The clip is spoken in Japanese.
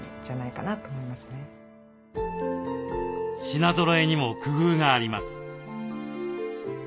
品ぞろえにも工夫があります。